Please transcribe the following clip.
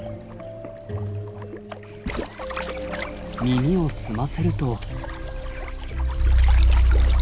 耳を澄ませると。